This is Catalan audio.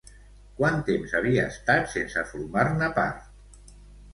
Quant temps havia estat sense formar-ne part?